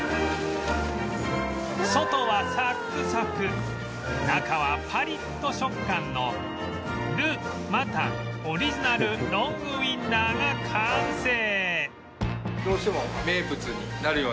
外はサックサク中はパリッと食感のル・マタンオリジナルロングウィンナーが完成